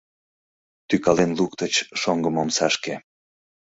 Тӱкален луктыч шоҥгым омсашке.